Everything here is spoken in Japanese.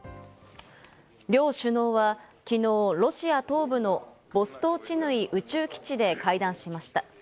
両首脳はきのう、ロシア東部のボストーチヌイ宇宙基地で会談しました。